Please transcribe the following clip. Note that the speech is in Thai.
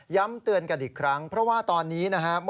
ย้ำเตือนกันอีกครั้งเพราะว่าตอนนี้